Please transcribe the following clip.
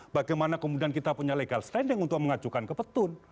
bagaimana kemudian kita punya legal standing untuk mengajukan ke petun